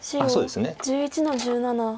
白１１の十七ノビ。